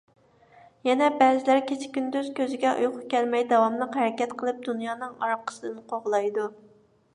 يەنە بەزىلەر كېچە-كۈندۈز كۆزىگە ئۇيقۇ كەلمەي داۋاملىق ھەرىكەت قىلىپ دۇنيانىڭ ئارقىسىدىن قوغلايدۇ.